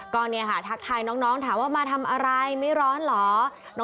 ก็เนี่ยค่ะทักทายน้องถามว่ามาทำอะไรไม่ร้อนเหรอ